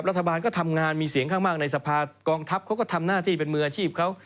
รัฐบาลก็ทำงานมีเสียงข้างมากในสภากองทัพเขาก็ทำหน้าที่เป็นมืออาชีพเขา